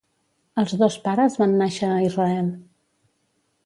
Els dos pares van nàixer a Israel.